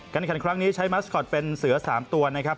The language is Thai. การใช้มัสคอตเป็นเสือ๓ตัวนะครับ